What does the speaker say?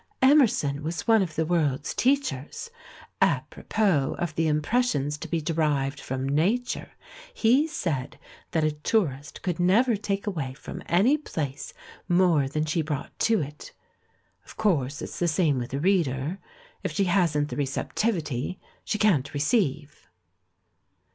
"Emerson was one of the world's teachers. A propos of the impressions to be derived from Nature, he said that a tourist could never take away from anj^ place more than she brought to it. Of course it's the same with a reader ; if she hasn't the receptivity, she can't receive."